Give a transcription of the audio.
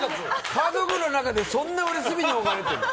家族の中でそんな隅に置かれてるの？